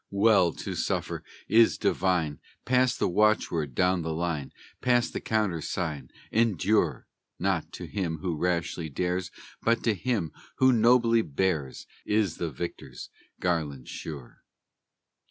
Well to suffer is divine; Pass the watchword down the line, Pass the countersign: "Endure." Not to him who rashly dares, But to him who nobly bears, Is the victor's garland sure.